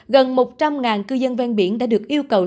gần một trăm linh cư dân ven biển đã được yêu cầu